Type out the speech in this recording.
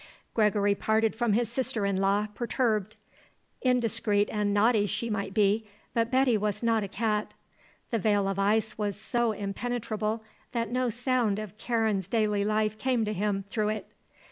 Gregory parted from his sister in law, perturbed. Indiscreet and naughty she might be, but Betty was not a cat. The veil of ice was so impenetrable that no sound of Karen's daily life came to him through it.